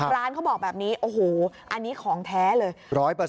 ร้านเขาบอกแบบนี้โอ้โหอันนี้ของแท้เลย๑๐๐